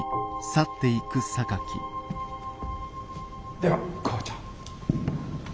では校長。